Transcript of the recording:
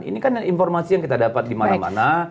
ini kan informasi yang kita dapat di mana mana